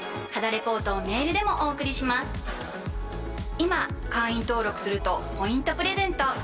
今会員登録するとポイントプレゼント！